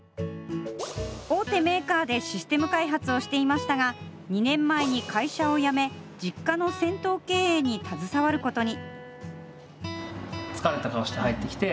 大手メーカーでシステム開発をしていましたが、２年前に会社を辞め、実家の銭湯経営に携わることに。